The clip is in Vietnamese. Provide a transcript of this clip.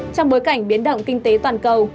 trong bối cảnh biến động kinh tế toàn cầu